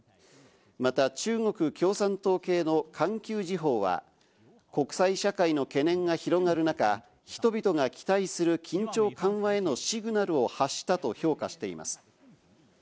また中国共産党系の環球時報は国際社会の懸念が広がる中、人々が期待する緊張緩和へのシグナルを発したと評価しています。